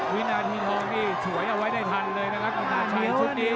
วินาทีท้องดีสวยเอาไว้ได้ทันเลยนะครับคุณผู้ชายชุดดี